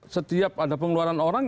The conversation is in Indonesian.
setiap ada pengeluaran orang